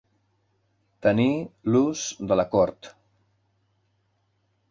Tenir l'ús de la cort.